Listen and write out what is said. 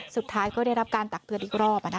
สุดท้ายก็ได้รับการตักเตือนอีกรอบ